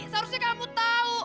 seharusnya kamu tahu